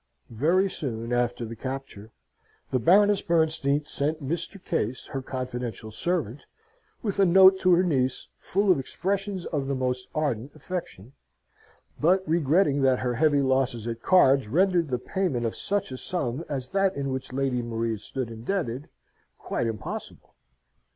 Very soon after the capture the Baroness Bernstein sent Mr. Case, her confidential servant, with a note to her niece, full of expressions of the most ardent affection: but regretting that her heavy losses at cards rendered the payment of such a sum as that in which Lady Maria stood indebted quite impossible.